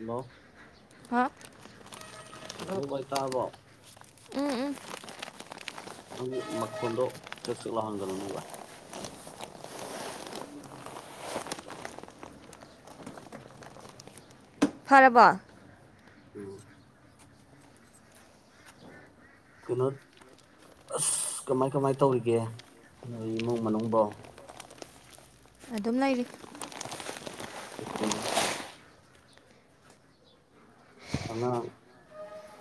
Hello ꯍꯥ hello ꯚꯥꯏ ꯇꯥꯕ꯭ꯔꯣ ꯎꯝ ꯎꯝ ꯅꯪꯒꯤ ꯃꯈꯣꯟꯗꯣ ꯆꯦꯛ ꯆꯦꯛ ꯂꯥꯎꯍꯟꯒꯅꯨꯅꯦ ꯚꯥꯏ ꯐꯔꯕꯣ ꯎꯝ ꯀꯩꯅꯣ ꯑꯁ ꯀꯃꯥꯏ ꯀꯃꯥꯏ ꯇꯧꯔꯤꯒꯦ ꯅꯣꯏ ꯏꯃꯨꯡ ꯃꯅꯨꯡꯕꯣ ꯑꯗꯨꯝ ꯂꯩꯔꯤ ꯎ ꯑꯉꯥꯡ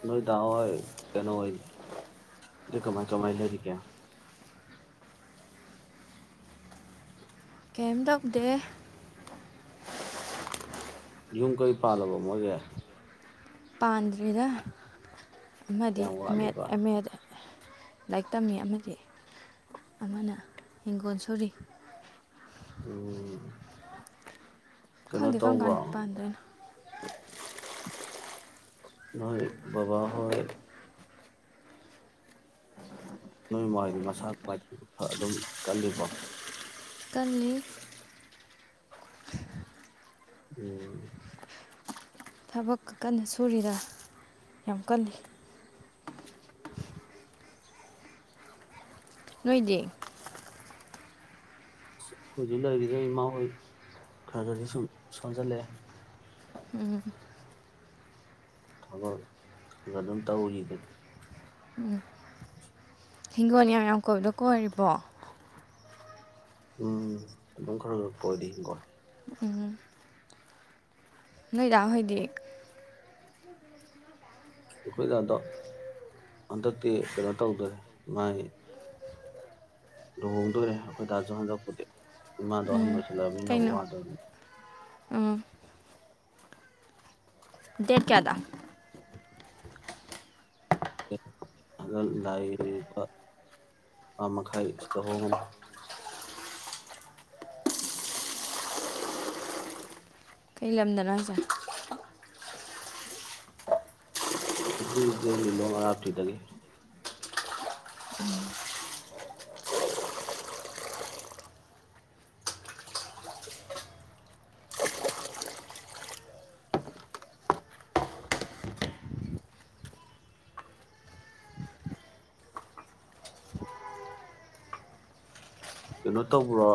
ꯅꯣꯏ ꯗꯥ ꯍꯣꯏ ꯀꯩꯅꯣ ꯍꯣꯏꯗꯤ ꯀꯃꯥꯏ ꯀꯃꯥꯏ ꯂꯩꯔꯤꯒꯦ ꯀꯩꯝ ꯇꯧꯗꯦ ꯌꯨꯝ ꯀꯩ ꯄꯥꯜꯂꯕꯣ ꯃꯣꯏꯒꯩ ꯄꯥꯟꯗ꯭ꯔꯤꯗ ꯑꯃꯗꯤ ꯀꯌꯥꯝ ꯃꯦꯠ ꯋꯥꯠꯂꯤꯕ ꯑꯦꯝ ꯑꯦꯗ ꯂꯥꯏꯔꯤꯛ ꯇꯝꯃꯤ ꯑꯃꯗꯤ ꯑꯃꯅ ꯍꯤꯡꯒꯣꯜ ꯁꯨꯔꯤ ꯎꯝ ꯀꯩꯅꯣ ꯈꯪꯗꯦ ꯀꯝ ꯀꯥꯟ ꯇꯧꯕ꯭ꯔꯣ ꯄꯥꯟꯗꯩꯅꯣ [unintelligible] ꯅꯣꯏ ꯕꯥꯕꯥ ꯍꯣꯏ ꯅꯣꯏ ꯃꯥ ꯍꯣꯏꯗꯤ ꯃꯁꯥ ꯀꯃꯥꯏ ꯇꯧꯔꯤ ꯑꯗꯨꯝ ꯀꯜꯂꯤꯕꯣ ꯀꯜꯂꯤ ꯎꯝ ꯊꯕꯛꯀ ꯀꯟꯅ ꯁꯨꯔꯤꯗ ꯌꯥꯝ ꯀꯜꯂꯤ ꯅꯣꯏꯗꯤ ꯑꯩꯈꯣꯏꯁꯨ ꯂꯩꯈꯤꯗꯕ ꯏꯃꯥ ꯍꯣꯏ ꯈꯔꯗꯗꯤ ꯁꯨꯝ ꯁꯣꯟꯖꯜꯂꯛꯑꯦ ꯊꯕꯛ ꯀꯥꯑꯗꯨꯝ ꯇꯧꯔꯤꯗ ꯍꯤꯡꯒꯣꯜ ꯌꯥꯝ ꯌꯥꯝ ꯀꯣꯏꯕꯗꯣ ꯀꯣꯏꯔꯤꯕꯣ ꯎꯝ ꯑꯗꯨꯝ ꯈꯔ ꯈꯔ ꯀꯣꯏꯔꯤ ꯅꯣꯏꯗꯥꯥ ꯍꯣꯏꯗꯤ ꯑꯩꯈꯣꯏꯗ ꯑꯗꯥꯗꯣ ꯍꯟꯗꯛꯇꯤ ꯀꯩꯅꯣ ꯇꯧꯗ꯭ꯔꯦ ꯃꯥꯏ ꯂꯨꯍꯣꯡꯗꯣꯏꯔꯦ ꯑꯩꯈꯣꯏ ꯍꯟꯗꯛꯄꯨꯗꯤ ꯏꯃꯥꯗꯣ ꯍꯟ ꯎꯝ ꯑꯣꯏꯣꯏꯁꯤꯜꯂꯕꯅꯤꯅ ꯀꯩꯅꯣ ꯋꯥꯗꯕꯅꯤ ꯎꯝ ꯗꯦꯠ ꯀꯥꯌꯥꯗ ꯑ ꯂꯥꯏ ꯂꯨꯄꯥ ꯊꯥ ꯃꯈꯥꯏ ꯇꯧꯍꯣꯡꯒꯅꯤ ꯀꯩ ꯂꯝꯗꯅꯣ ꯍꯥꯏꯁꯦ ꯅꯨꯄꯤ ꯂꯤꯂꯣꯡ ꯃꯔꯥꯞꯇꯤ ꯇꯒꯦ ꯀꯩꯅꯣ ꯇꯧꯕ꯭ꯔꯣ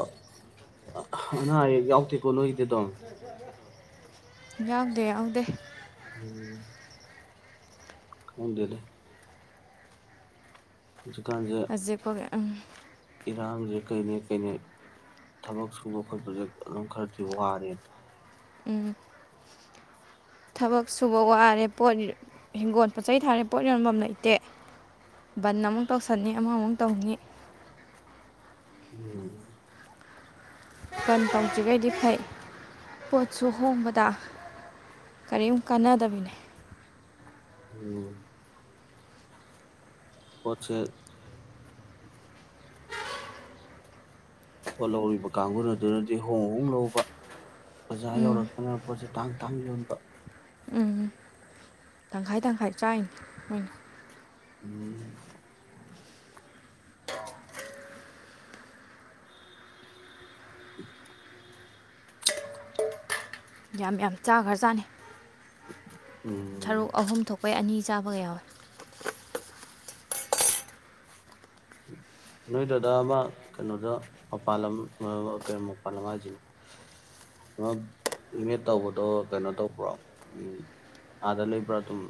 ꯑꯅꯥ ꯑꯌꯦꯛ ꯌꯥꯎꯗꯦꯀꯣ ꯅꯣꯏꯒꯤꯗꯤ ꯑꯗꯨꯝ ꯌꯥꯎꯗ ꯌꯥꯎꯗ ꯎꯝ ꯈꯪꯗꯦꯗꯥ [unintelligible] ꯏꯔꯥꯡꯁꯦ ꯀꯩꯅꯦ ꯀꯅꯦ ꯊꯕꯛ ꯁꯨꯕ ꯈꯣꯠꯄꯁꯦ ꯑꯗꯨꯝ ꯈꯔꯗꯤ ꯋꯥꯔꯦ ꯊꯕꯛ ꯁꯨꯕ ꯋꯥꯔꯦ ꯄꯣꯠ ꯍꯤꯡꯒꯣꯜ ꯄꯣꯠ ꯆꯩ ꯊꯥꯔꯦ ꯄꯣꯠ ꯌꯣꯟꯐꯝ ꯂꯩꯇꯦ ꯕꯟ ꯑꯃꯨꯛ ꯇꯧꯁꯟꯅꯤ ꯑꯃꯨꯛ ꯑꯃꯨꯛ ꯇꯧꯅꯤ ꯎꯝ ꯕꯥꯟ ꯇꯧꯗ꯭ꯔꯤꯈꯩꯗꯤ ꯐꯩ ꯄꯣꯠꯁꯨ ꯍꯣꯡꯕꯗ ꯀꯔꯤꯝ ꯀꯥꯟꯅꯗꯕꯤꯅꯦ ꯎꯝ ꯄꯣꯠꯁꯦ ꯄꯣꯠ ꯂꯧꯔꯤꯕ ꯀꯥꯡꯒꯨ ꯑꯗꯨꯅꯗꯤ ꯍꯣꯡ ꯍꯣꯡ ꯂꯧꯕ ꯑꯣꯖꯥ ꯕꯖꯥꯔ ꯌꯧꯔꯛꯄꯅ ꯄꯣꯠꯁꯦ ꯇꯥꯡ ꯇꯥꯡ ꯌꯣꯟꯕ ꯎꯝ ꯇꯪꯈꯥꯏ ꯇꯪꯈꯥꯏ ꯆꯥꯏꯅꯤ ꯃꫭꯏꯅ ꯎꯝ ꯎ ꯌꯥꯝ ꯌꯥꯝ ꯆꯥ ꯈ꯭ꯔ ꯆꯥꯅꯤ ꯎꯝ ꯁꯔꯨꯛ ꯑꯍꯨꯝ ꯊꯣꯛꯄꯩ ꯑꯅꯤ ꯆꯥꯕ ꯀ ꯌꯥꯎꯋꯦ ꯅꯣꯏꯗꯨꯗ ꯑꯃ ꯀꯩꯅꯣꯗ ꯃꯄꯥꯜ ꯂꯝ ꯃꯄꯥꯜ ꯂꯝ ꯍꯥꯏꯁꯤ ꯏꯃꯦꯠ ꯇꯧꯕꯗꯣ ꯀꯩꯅꯣ ꯇꯧꯕ꯭ꯔꯣ ꯑꯥꯗ ꯂꯩꯕ꯭ꯔꯥ ꯑꯗꯨꯝ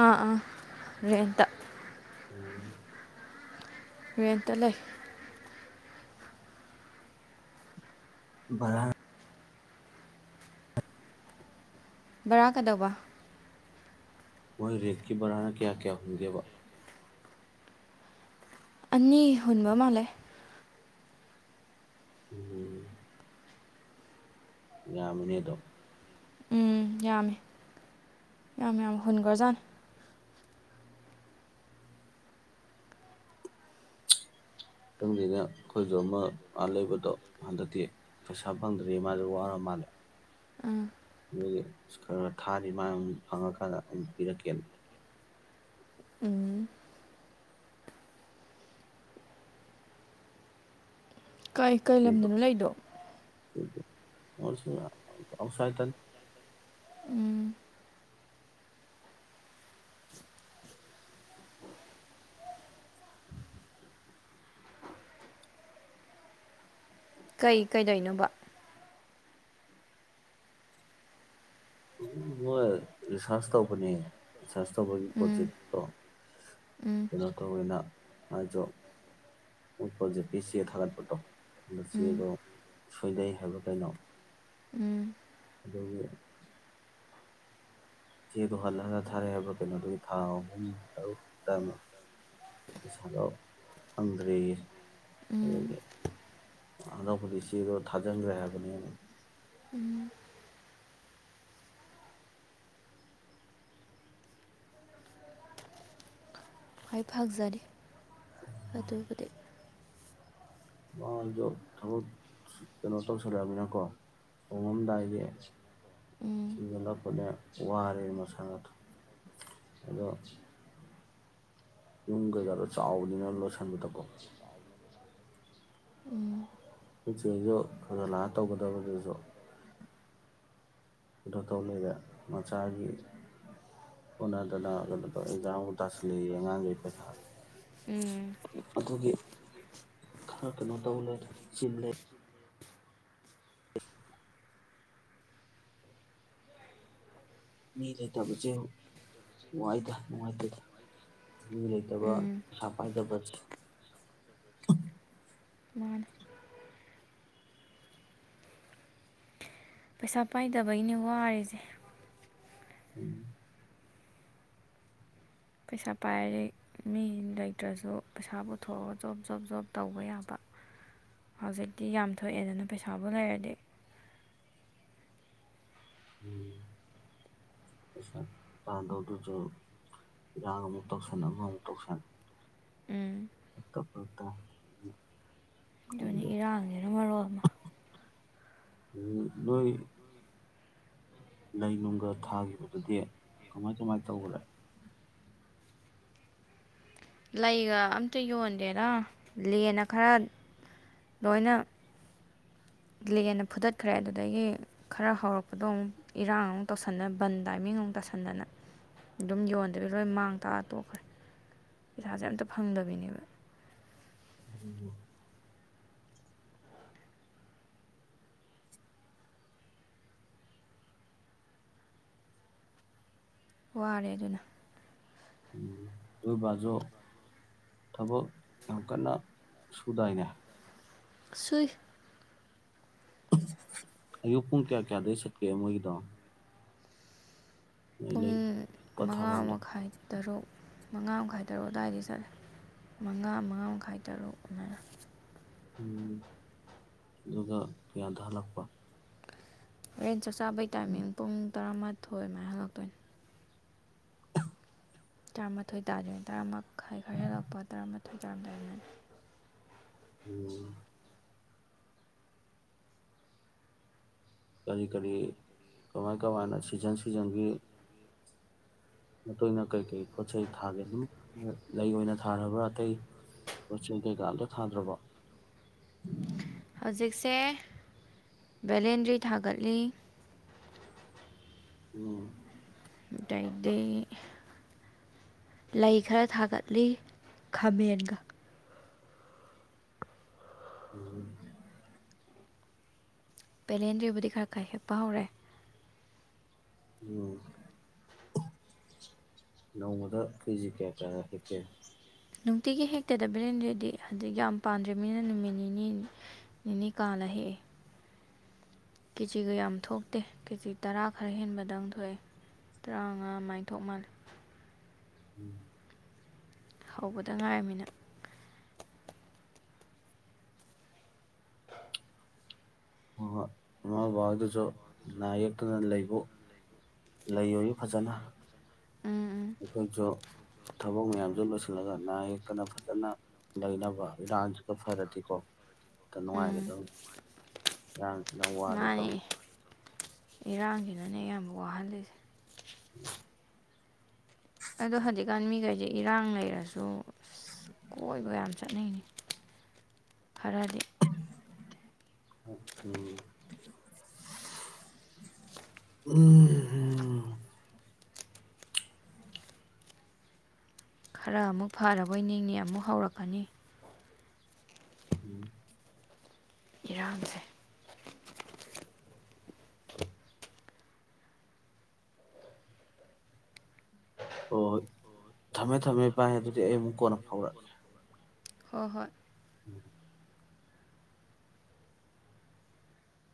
ꯑꯥ ꯑꯥ ꯔꯦꯟꯇ ꯎꯝ ꫪꯦꯟꯇ ꯂꯩ ꯕꯔꯗ ꯕꯔꯥ ꯀꯗꯧꯕ ꯃꯣꯏ ꯔꯦꯠꯀꯤ ꯕꯔꯥꯅ ꯀꯌꯥ ꯀꯌꯥ ꯍꯨꯒꯦꯕ ꯑꯅꯤ ꯍꯨꯟꯕ ꯃꯥꯜꯂꯦ ꯎꯝ ꯌꯥꯃꯤꯅꯦꯗꫭ ꯌꯥꯝꯃꯤ ꯌꯥꯝ ꯍꯨꯟꯈꯔ ꯖꯠꯅꯤ ꯈꯪꯗꯦꯅ ꯑꯩꯈꯣꯏꯁꯨ ꯑꯃ ꯑꯗꯥ ꯂꯩꯕꯗꯣ ꯍꯟꯗꯛꯇꯤ ꯄꯩꯁꯥ ꯐꯪꯗ꯭ꯔꯦ ꯃꯥꯁꯨ ꯋꯥꯔ ꯃꯥꯜꯂꯦ ꯎꯝ ꯑꯗꯨꯗꯒꯤ ꯈꯔ ꯈ ꯊꯥꯔꯤ ꯃꯥꯜꯂꯦ ꯑꯗꯨ ꯐꯪꯉꯀꯥꯟꯗ ꯑꯗꯨꯝ ꯄꯤꯔꯛꯀꯦ ꯎꯝ ꯀꯩ ꯀꯩ ꯃꯁꯤꯡꯗꯣ ꯂꯝꯗꯅꯣ ꯂꯩꯗꯣ [unintelligible] ꯑꯥꯎꯠꯁꯥꯏꯗ ꯇꯅꯤ꯫ ꯎꯝ ꯀꯩ ꯀꯩꯗꯧꯏꯅꯣꯕ ꯃꯣꯏ ꯔꯤꯁꯥꯔꯁ ꯇꯧꯕꯅꯦ ꯔꯤꯁꯥꯔꯁ ꯇꯧꯕꯒꯤ ꯎꯝ ꯄ꯭ꯔꯣꯖꯦꯛꯇꯣ ꯎꯝ ꯀꯩꯅꯣ ꯇꯧꯋꯦꯅ ꯃꯥꯏꯗꯣ ꯃꯣꯏ ꯄ꯭ꯔꯣꯖꯦꯛꯀꯤ ꯆꯦ ꯊꯥꯒꯠꯄꯗꯣ ꯑꯗꯨ ꯎꯝ ꯆꯦꯗꯣ ꯁꯣꯏꯗꯩ ꯍꯥꯏꯕꯔ ꯀꯩꯅꯣ ꯎꯝ ꯑꯗꯨꯒꯤ꯫ ꯆꯦꯗꯣ ꯍꯜꯂ ꯍꯜꯂ ꯊꯥꯔꯛꯑꯦ ꯍꯥꯏꯕ꯭ꯔꯥ ꯀꯩꯅꯣꯗꯨꯒꯤ ꯊꯥ ꯑꯍꯨꯝ ꯇꯔꯨꯛ ꯇꯥꯡ ꯄꯩꯁꯥꯗꯣ ꯐꯪꯗ꯭ꯔꯦꯌꯦ ꯎꯝ ꯑꯗꯨꯒꯤ ꯑꯅꯧꯕꯗꯤ ꯆꯦꯗꯣ ꯊꯥꯖꯤꯟꯈ꯭ꯔꯦ ꯍꯥꯏꯕꯅꯦ ꯍꯥꯏꯐꯥꯛꯖꯔꯤ ꯑꯗꯨꯕꯨꯗꯤ ꯃꯣꯏꯗꯣ ꯊꯕꯛ ꯀꯩꯅꯣ ꯇꯧꯁꯜꯂꯛꯑꯕꯅꯤꯅꯀꯣ ꯍꯣꯡꯉꯝꯗꯥꯏꯒꯤ ꯎꯝ ꯁꯤꯡꯒꯜꯂꯛꯄꯅꯦ ꯋꯥꯔꯦ ꯃꯁꯥꯅꯗꯣ ꯑꯗꯣ ꯌꯨꯝ ꯀꯩꯀꯥꯗꯣ ꯆꯥꯎꯕꯅꯤꯅ ꯂꯣꯁꯟꯕꯗꯀꯣ ꯎꯝ ꯏꯆꯦꯁꯨ ꯈꯔꯥꯒꯂꯥꯑ ꯇꯧꯒꯗꯕꯗꯨꯁꯨ ꯀꯩꯅꯣ ꯇꯧ ꯂꯩꯔꯦ ꯃꯆꯥꯒꯤ ꯑꯣꯅꯗꯅ ꯀꯩꯅꯣ ꯇꯧ ꯑꯦꯛꯖꯥꯝꯃꯨꯛ ꯇꯥꯥꯁꯜꯂꯛꯑꯦꯌꯦ ꯑꯉꯥꯡꯈꯩ ꯄꯩꯈꯥ ꯎꯝ ꯑꯗꯨꯒꯤ ꯈꯔꯥ ꯀꯩꯅꯣ ꯇꯧ ꯂꯩꯔꯦ ꯆꯤꯜꯂꯦ ꯑꯦ ꯃꯤ ꯂꯩꯇꯕꯁꯦ ꯋꯥꯏꯗ ꯅꯨꯡꯉꯥꯏꯇꯦꯗ ꯃꯤ ꯂꯩꯇꯕ ꯎꯝ ꯄꯩꯁꯥ ꯄꯥꯏꯗꯕꯁꯦ ꯃꯥꯅꯦ ꯄꯩꯁꯥ ꯄꯥꯏꯗꯕꯩꯅꯦ ꯋꯥꯔꯤꯁꯦ ꯎꯝ ꯄꯩꯁꯥ ꯄꯥꯏꯔꯗꯤ ꯃꯤ ꯂꯩꯇ꯭ꯔꯁꯨ ꯄꯩꯁꯥꯕꯨ ꯊꯣꯛꯑꯕ ꯖꯣꯕ ꯖꯣꯕ ꯖꯣꯕ ꯇꯧꯕ ꯌꯥꯕ ꯍꯧꯖꯤꯛꯇꯤ ꯌꯥꯝ ꯊꯣꯛꯑꯦꯗꯅ ꯄꯩꯁꯥꯕꯨ ꯂꯩꯔꯗꯤ꯫ ꯄꯩꯁꯥ ꯇꯥꯟꯗꯧꯗꯨꯁꯨ ꯏꯔꯥꯡ ꯑꯃꯨꯛ ꯇꯧꯁꯟ ꯑꯃ ꯑꯃꯨꯛ ꯇꯧꯁꯟ ꯎꯝ [unintelligible] ꯑꯗꯨꯅꯤ ꯇꯪꯗꯦ ꯏꯔꯥꯡꯁꯤꯅ ꯃꯔꯣꯜ ꯑꯃ ꯅꯣꯏ ꯂꯩ ꯅꯨꯡꯒ ꯊꯥꯈꯤꯕꯗꯨꯗꯤ ꯀꯃꯥꯏ ꯀꯃꯥꯏ ꯇꯧꯒꯔꯦ ꯂꯩꯒ ꯑꯝꯇ ꯌꯣꯟꯗꯦꯗ ꯂꯦꯟꯅ ꯈꯔ ꯂꯣꯏꯅ ꯂꯦꯟꯅ ꯐꯨꯗꯠꯈ꯭ꯔꯦ ꯑꯗꯨꯗꯒꯤ ꯈꯔ ꯍꯧꯔꯛꯄꯗꯣ ꯑꯃꯨꯛ ꯏꯔꯥꯡ ꯑꯃꯨꯛ ꯇꯧꯁꯟꯗꯅ ꯕꯟ ꯇꯥꯏꯃꯤꯡ ꯑꯃꯨꯛ ꯇꯥꯁꯟꯗꯅ ꯑꯗꯨꯝ ꯌꯣꯟꯗꯕꯤ ꯂꯣꯏ ꯃꯥꯡ ꯇꯥꯛꯑꯇꯣꯛꯈ꯭ꯔꯦ ꯄꯩꯁꯥꯁꯦ ꯑꯝꯇ ꯐꯪꯗꯕꯤꯅꯦꯕ꯫ ꯋꯥꯔꯦ ꯑꯗꯨꯅ ꯅꯣꯏ ꯕꯥꯁꯨ ꯊꯕꯛ ꯌꯥꯝ ꯀꯟꯅ ꯁꯨꯗꯥꯏꯅꯦ ꯁꯨꯏ ꯑꯌꯨꯛ ꯄꯨꯡ ꯀꯌꯥ ꯀꯌꯥꯗꯩ ꯆꯠꯀꯦ ꯃꯣꯏꯒꯤꯗꯣ ꯅꯣꯏ ꯄꯨꯡ ꯂꯩ ꯄ ꯃꯉꯥ ꯊꯥꯐꯝꯗꯣ ꯃꯈꯥꯏ ꯇꯔꯨꯛ ꯃꯉꯥ ꯃꯈꯥꯏ ꯇꯔꯨꯛ ꯑꯗꯨꯋꯥꯏꯗ ꯆꯠꯂꯦ ꯃꯉꯥ ꯃꯉꯥ ꯃꯈꯥꯏ ꯇꯔꯨꯛ ꯑꯗꯨꯃꯥꯏꯅ ꯎꯝ ꯑꯗꯨꯒ ꯀꯌꯥꯗꯍꯜꯂꯛꯄ ꯑꯩ ꯆꯥꯛ ꯆꯥꯕꯩ ꯇꯥꯏꯃꯤꯡ ꯄꯨꯡ ꯇꯔꯥꯃꯥ ꯊꯣꯏꯑꯦ ꯃꯥꯏ ꯍꯜꯂꯛꯇꯣꯏꯅꯤ ꯇꯔꯥꯃꯥꯊꯣꯏ ꯇꯥꯗꯣꯏꯅꯤ ꯇꯔꯥꯃꯥꯏ ꯈꯔ ꯍꯦꯜꯂꯛꯄ ꯇꯔꯥꯃꯥꯊꯣꯏ ꯇꯥꯔꯝꯗꯥꯏꯗꯅꯤ ꯎꯝ ꯀꯔꯤ ꯀꯔꯤ ꯀꯃꯥꯏ ꯀꯃꯥꯏꯅ ꯁꯤꯖꯟ ꯁꯤꯖꯟꯒꯤ ꯃꯇꯨꯡꯣꯏꯅ ꯀꯩꯀꯩ ꯄꯣꯠ ꯆꯩꯩ ꯊꯥꯒꯦ ꯑꯗꯨꯝ ꯂꯩ ꯑꯣꯏꯅ ꯊꯥꯔꯕ꯭ꯔꯥ ꯑꯇꯩ ꯄꯣꯠ ꯆꯩ ꯀꯩꯀꯥ ꯑꯝꯇ ꯊꯥꯗ꯭ꯔꯕ ꯍꯧꯖꯤꯛꯁꯦ ꯚꯦꯂꯦꯟꯗ꯭ꯔꯤ ꯊꯥꯒꯠꯂꯤ ꯎꯝ ꯑꯩꯗꯩꯗꯤ ꯂꯩ ꯈꯔ ꯊꯥꯒꯠꯂꯤ ꯈꯥꯃꯦꯟꯒ ꯎꯝ ꯄꯦꯂꯦꯟꯗ꯭ꯔꯤꯕꯗꯤ ꯈꯔ ꯈꯔ ꯍꯦꯛꯞꯄ ꯍꯧꯔꯦ ꯑꯣ ꯅꯣꯡꯃꯗ ꯀꯔꯤꯁꯤ ꯀꯌꯥ ꯍꯥꯏꯇꯥꯔꯦ ꯍꯦꯀꯦ ꯅꯨꯡꯇꯤꯒꯤ ꯍꯦꯛꯇꯗ ꯕꯦꯂꯦꯟꯗꯔ꯭ꯤꯗꯤ ꯍꯧꯖꯤꯛ ꯌꯥꯝ ꯄꯥꯗ꯭ꯔꯤꯕꯅꯤꯅ ꯅꯨꯃꯤꯠ ꯅꯤꯅꯤ ꯅꯤꯅꯤ ꯀꯥꯜꯂ ꯍꯦꯛꯑꯦ ꯀꯦꯖꯤꯒ ꯌꯥꯝ ꯊꯣꯛꯇꯦ ꯀꯦꯖꯤ ꯇꯔꯥ ꯈꯔ ꯍꯦꯟꯕꯗꯪ ꯊꯣꯛꯑꯦ ꯇꯔꯥꯃꯉꯥ ꯑꯗꯨꯃꯥꯏ ꯊꯣꯛ ꯃꯥꯜꯂꯦ ꯎꯝ ꯍꯧꯕꯗ ꯉꯥꯏꯔꯃꯤꯅ ꯏꯃꯥ ꯕꯥꯗꯨꯁꯨ ꯅꯥ ꯌꯦꯛꯇꯨꯅ ꯂꯩꯕꯨ ꯂꯩꯌꯣꯌꯦ ꯐꯖꯅ ꯎꯝ ꯑꯩꯈꯣꯏꯁꯨ ꯊꯕꯛ ꯃꯌꯥꯝꯁꯨ ꯂꯣꯏꯁꯤꯜꯂꯒ ꯅꯥ ꯌꯦꯛꯇꯅ ꯐꯖꯅ ꯂꯩꯅꯕ ꯏꯔꯥꯡꯁꯤꯗ ꯐꯔꯗꯤꯀꯣ ꯎꯝ ꯎꯝ ꯅꯨꯡꯉꯥꯏꯒꯗꯕ ꯏꯔꯥꯡꯁꯤꯅ ꯋꯥꯔꯦ ꯃꯥꯅꯦ ꯇꯧꯁꯤ ꯏꯔꯥꯡꯁꯤꯅꯅꯦ ꯌꯥꯝ ꯋꯥꯍꯜꯂꯤꯁꯦ ꯑꯗꯣ ꯍꯧꯖꯤꯛꯀꯥꯟ ꯃꯤꯈꯩꯁꯦ ꯏꯔꯥꯡ ꯂꯩꯔꯁꯨ ꯑꯁ ꯀꯣꯏꯕ ꯌꯥꯝ ꯆꯠꯅꯤꯡꯉꯤ ꯈꯔꯗꯤ ꯎꯎꯝ ꯈꯔ ꯑꯃꯨꯛ ꯐꯔꯕꯣꯏ ꯅꯤꯡꯉ ꯑꯃꯨꯛ ꯍꯧꯔꯛꯀꯅꯤ ꯎꯝ ꯏꯔꯥꯡꯁꯦ ꯍꯣꯏ ꯍꯣꯏ ꯊꯝꯃꯦ ꯊꯝꯃꯦ ꯚꯥꯏ ꯑꯗꯨꯗꯤ ꯑꯩ ꯑꯃꯨꯛ ꯀꯣꯟꯅ ꯐꯥꯎꯔꯛꯑꯒꯦ ꯍꯣꯏ ꯍꯣꯏ ꯎꯝ